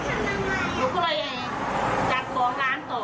แล้วตอนนี้หนูก็เลยถามว่าตามมาทำอะไรเธอบอกว่าจะมาเปลี่ยนยางรถ